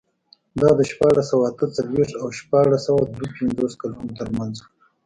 دا د شپاړس سوه اته څلوېښت او شپاړس سوه دوه پنځوس کلونو ترمنځ و.